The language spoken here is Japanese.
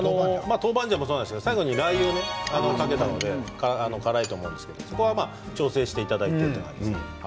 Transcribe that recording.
豆板醤もそうなんですが最後にラー油をかけたので辛いと思うんですけどそこは調整していただいて。